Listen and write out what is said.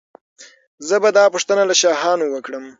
زه به دا پوښتنه له شاهانو وکړم.